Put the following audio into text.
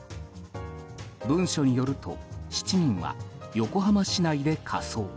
文書によると７人は横浜市内で火葬。